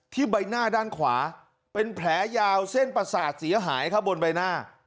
ใบหน้าด้านขวาเป็นแผลยาวเส้นประสาทเสียหายครับบนใบหน้า